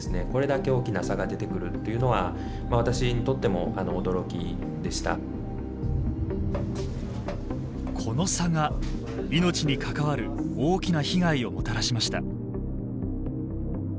もうこのこの差が命に関わる大きな被害をもたらしました。